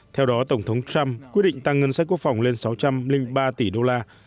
theo đó tổng thống trump quyết định tăng ngân sách quốc phòng lên sáu trăm linh ba tỷ đô la